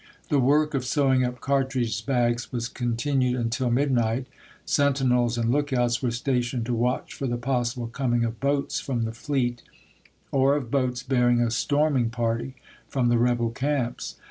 The work of sewing up cartridge bags was continued until midnight ; sentinels and lookouts were stationed to watch for the possible coming of boats from the fleet — or of boats bearing a storming party from the rebel camps.